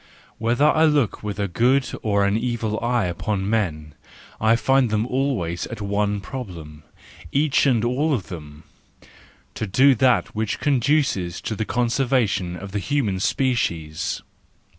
—Whether I look with a good or an evil eye upon men, I find * them always at one problem, each and all of them : to do that which conduces to the conservation of the human species.